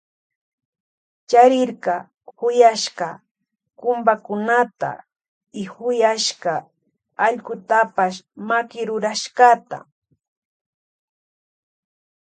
Charirka kuyaska kumbakunata y huyashka allkutapash makirurashkata.